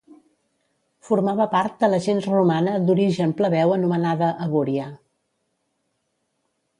Formava part de la gens romana d'origen plebeu anomenada Abúria.